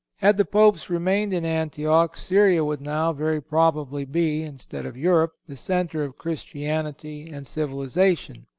Had the Popes remained in Antioch, Syria would now very probably be, instead of Europe, the centre of Christianity and civilization.